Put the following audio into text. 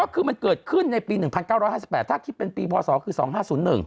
เออก็คือมันเกิดขึ้นในปีหนึ่งพันเก้าร้อยห้าสิบแปดถ้าคิดเป็นปีพอสองคือสองห้าศูนย์หนึ่ง